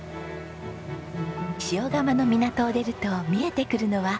塩竈の港を出ると見えてくるのは松島湾。